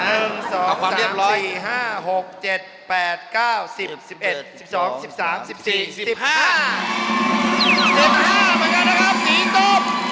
๑๕เหมือนกันนะครับสีส้ม